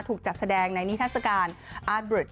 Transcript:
ถูกจัดแสดงในนิทัศกาลอาร์ดเรค